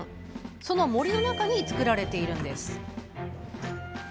その森の中に造られているんです。